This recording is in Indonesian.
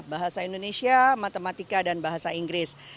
bahasa indonesia matematika dan bahasa inggris